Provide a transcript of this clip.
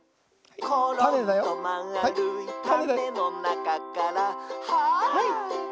「ころんとまあるいたねのなかから」「ハイ！」